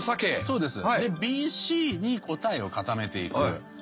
そうです。